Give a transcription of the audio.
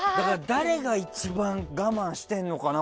誰が一番我慢してんのかな